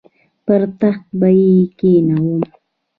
پر تخت به یې کښېنوم.